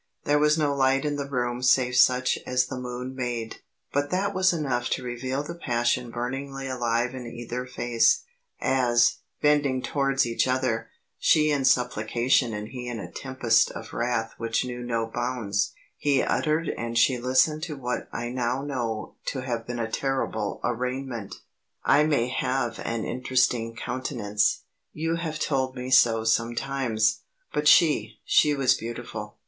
There was no light in the room save such as the moon made; but that was enough to reveal the passion burningly alive in either face, as, bending towards each other, she in supplication and he in a tempest of wrath which knew no bounds, he uttered and she listened to what I now know to have been a terrible arraignment. I may have an interesting countenance; you have told me so sometimes; but she she was beautiful.